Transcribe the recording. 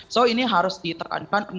so ini harus ditekankan